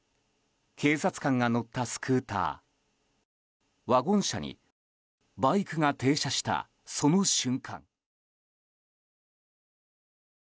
警察官が乗ったスクーターワゴン車に、バイクが停車したその瞬間。